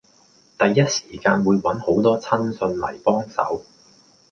第一時間會搵好多親信嚟幫手